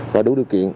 và đủ điều kiện